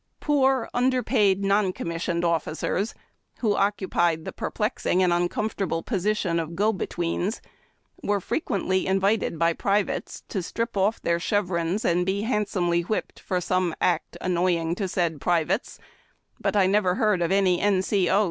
Poor underpaid non commissioned officers, who occupied the perplexing and uncomfortable position of go betweens, were frequently invited by privates to strip off their chevrons and be handsomely whipped for some act annoying to said privates ; but I never heard of any n. c. o.